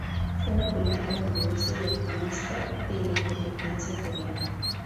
Fue una política comunista y activista de la independencia coreana.